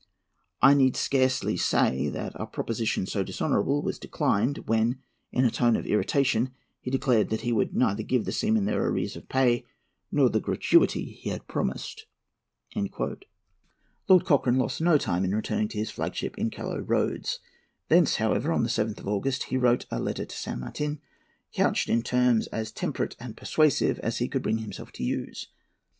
I need scarcely say that a proposition so dishonourable was declined; when, in a tone of irritation, he declared that 'he would neither give the seamen their arrears of pay nor the gratuity he had promised.'" [Footnote A: W.B. Stevenson, "Twenty Years' Residence in South America." 1825.] Lord Cochrane lost no time in returning to his flagship in Callao Roads. Thence, however, on the 7th of August, he wrote a letter to San Martin, couched in terms as temperate and persuasive as he could bring himself to use.